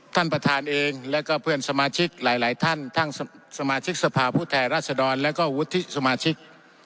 ท่านประธานเองแล้วก็เพื่อนสมาชิกหลายท่านท่านสมาชิกสภาพผู้แทนรัศดรแล้วก็วุฒิสมาชิก